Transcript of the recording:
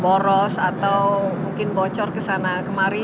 boros atau mungkin bocor kesana kemari